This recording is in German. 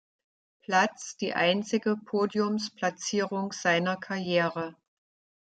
Platz die einzige Podiumsplatzierung seiner Karriere.